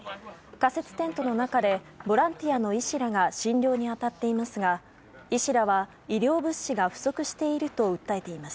仮設テントの中でボランティアの医師らが診療に当たっていますが医師らは医療物資が不足していると訴えています。